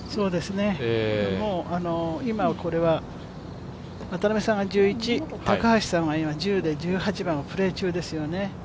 もう今は、これは渡邉さんが１１高橋さんは１０で今、１８番をプレー中ですよね。